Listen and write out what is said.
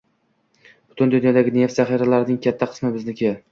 Butun dunyodagi neft zaxiralarining katta qismi bizniki